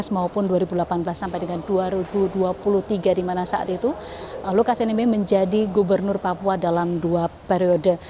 maupun dua ribu delapan belas sampai dengan dua ribu dua puluh tiga di mana saat itu lukas nmb menjadi gubernur papua dalam dua periode